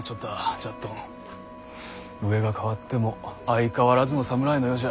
じゃっどん上が変わっても相変わらずの侍の世じゃ。